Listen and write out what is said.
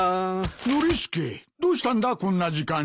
ノリスケどうしたんだこんな時間に。